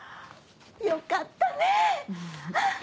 よかったね！